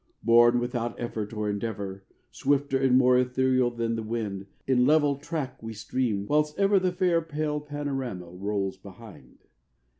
Borne without effort or endeavour, Swifter and more ethereal than the wind, In level track we stream, whilst ever The fair pale panorama rolls behind.